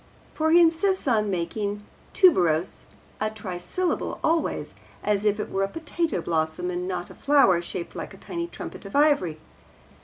For he insists on making 'tuberose' a trisyllable always, as if it were a potato blossom and not a flower shaped like a tiny trumpet of ivory.